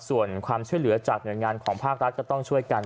ส่วนความช่วยเหลือจากหน่วยงานของภาครัฐก็ต้องช่วยกัน